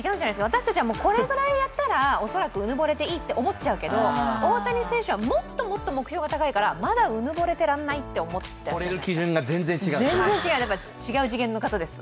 私たちはこれぐらいやったら、恐らくうぬぼれていいと思ってしまうけど、大谷選手はもっともっと目標が高いからまだうぬぼれてらんないと思っているんじゃないですか。